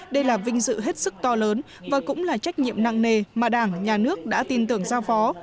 đây là vinh dự hết sức to lớn và cũng là trách nhiệm nặng nề mà đảng nhà nước đã tin tưởng giao phó